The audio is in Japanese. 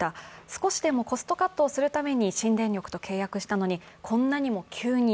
少しでもコストカットをするために新電力と契約したのにこんなにも急に、